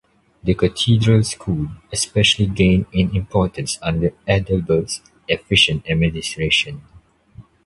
The cathedral school especially gained in importance under Adalbert's efficient administration.